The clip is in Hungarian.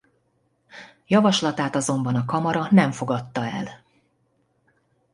Javaslatát azonban a kamara nem fogadta el.